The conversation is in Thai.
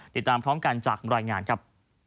ติดตามพร้อมกันจากรายงานครับ